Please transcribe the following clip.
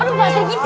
aduh pak sergiti